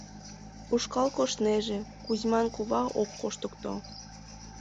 Ушкал коштнеже — Кузьман кува ок коштыкто.